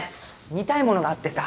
見たいものがあってさ。